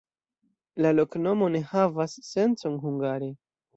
La loknomo ne havas sencon hungare.